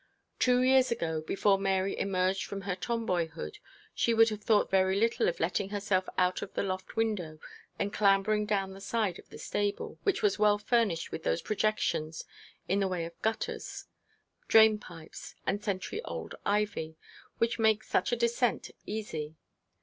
Two years ago, before Mary emerged from her Tomboyhood, she would have thought very little of letting herself out of the loft window and clambering down the side of the stable, which was well furnished with those projections in the way of gutters, drain pipes, and century old ivy, which make such a descent easy.